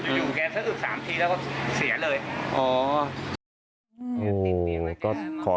อยู่แกสะอึก๓ทีแล้วก็เสียเลย